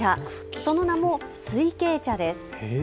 その名も翠茎茶です。